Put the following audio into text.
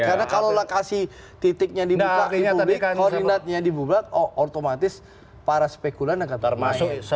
karena kalau lokasi titiknya dibuka di publik koordinatnya dibuka otomatis para spekulan akan terbuka